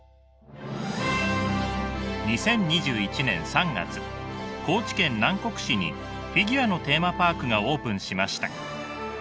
２０２１年３月高知県南国市にフィギュアのテーマパークがオープンしました。